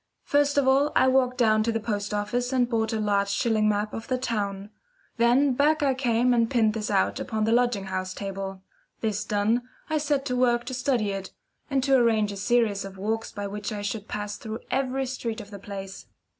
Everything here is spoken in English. First of all I walked down to the post office and I bought a large shilling map of the town. Then back I came and pinned this out upon the lodging house table. This done, I set to work to study it, and to arrange a series of walks by which I should pass through every street of the place.